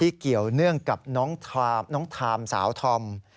เกี่ยวเนื่องกับน้องทามสาวธอม